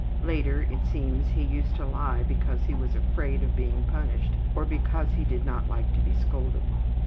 Later it seems he used to lie because he was afraid of being punished or because he did not like to be scolded.